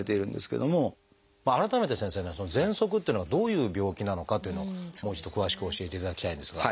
改めて先生ねそのぜんそくっていうのがどういう病気なのかというのをもう一度詳しく教えていただきたいんですが。